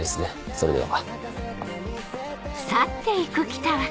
それでは。